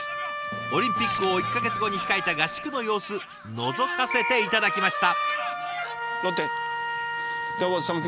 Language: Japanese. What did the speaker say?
オリンピックを１か月後に控えた合宿の様子のぞかせて頂きました。